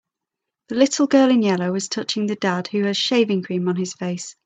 The little girl in yellow is touching the dad who has shaving cream on his face.